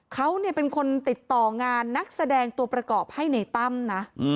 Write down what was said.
เขาเป็นคนติดต่องานนักแสดงตัวประกอบให้ในตั้มนะ